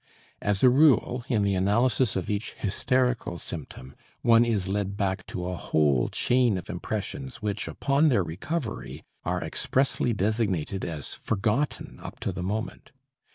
As a rule, in the analysis of each hysterical symptom, one is led back to a whole chain of impressions which, upon their recovery, are expressly designated as forgotten up to the moment.